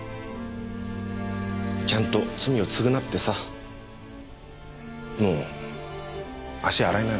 ちゃんと罪を償ってさもう足洗いなよ。